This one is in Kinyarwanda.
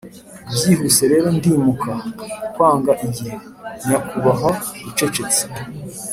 byihuse rero ndimuka kwanga igihe, nyakubahwa ucecetse